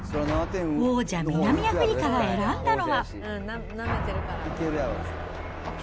王者、南アフリカが選んだのは。